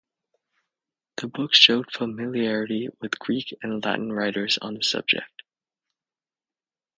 The book showed familiarity with Greek and Latin writers on the subject.